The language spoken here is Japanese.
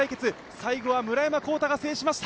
最後は村山紘太が制しました。